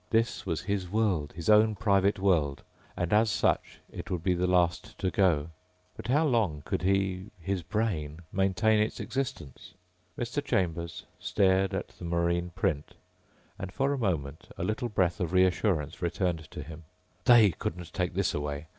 This was his world, his own private world, and as such it would be the last to go. But how long could he ... his brain ... maintain its existence? Mr. Chambers stared at the marine print and for a moment a little breath of reassurance returned to him. They couldn't take this away.